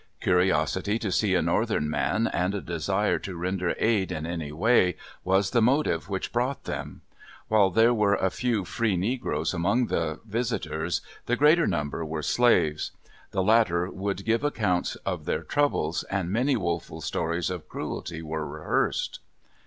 Curiosity to see a Northern man and a desire to render aid in any way, was the motive which brought them. While there were a few free negroes among the visitors, the greater number were slaves. The latter would give accounts of their troubles, and many woeful stories of cruelty were rehearsed.